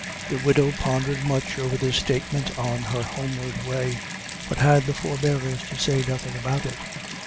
The widow pondered much over this statement on her homeward way, but had the forbearance to say nothing about it.